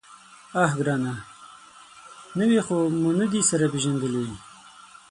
_اه ګرانه! نوي خو مو نه دي سره پېژندلي.